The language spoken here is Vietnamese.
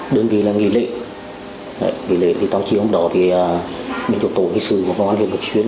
bên trong tổ nghi sư của công an hiệp hợp chuyên